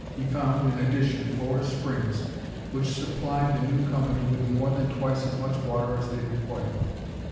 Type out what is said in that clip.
He found, in addition, four springs, which supplied the new Company with more than twice as much water as they required.